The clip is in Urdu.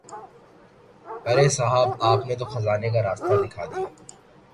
ارے صاحب آپ نے تو خزانے کا راستہ دکھا دیا۔